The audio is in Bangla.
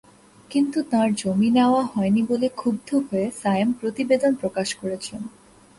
কিন্তু তাঁর জমি নেওয়া হয়নি বলে ক্ষুব্ধ হয়ে সায়েম প্রতিবেদন প্রকাশ করেছেন।